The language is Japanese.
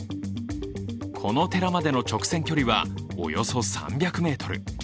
この寺までの直線距離はおよそ３００ｍ。